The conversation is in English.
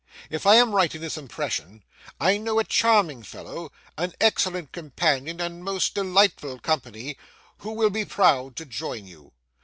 If I am right in this impression, I know a charming fellow (an excellent companion and most delightful company) who will be proud to join you.